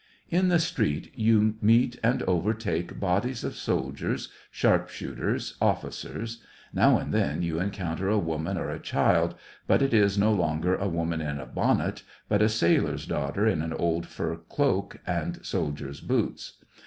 In the street you meet and overtake bodies of soldiers, sharp shooters, officers ; now and then you encounter a woman or a child, but it is no longer a woman in a bonnet, but a sailor's daughter in an old fur cloak and soldier's boots.